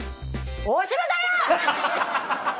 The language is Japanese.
大島だよ‼